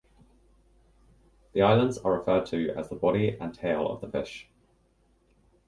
The islands are referred to as the body and tail of the fish.